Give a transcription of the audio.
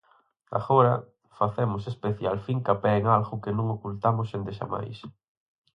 Agora, facemos especial fincapé en algo que non ocultamos endexamais.